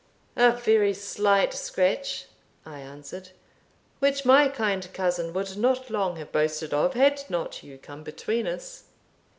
"A very slight scratch," I answered, "which my kind cousin would not long have boasted of had not you come between us."